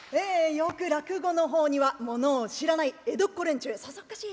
よく落語の方にはものを知らない江戸っ子連中そそっかしい